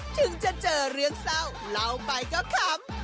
ถึงจะเจอเรื่องเศร้าเล่าไปก็ขำ